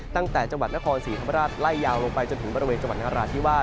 จังหวัดนครศรีธรรมราชไล่ยาวลงไปจนถึงบริเวณจังหวัดนราธิวาส